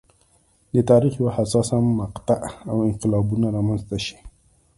د تاریخ یوه حساسه مقطعه او انقلابونه رامنځته شي.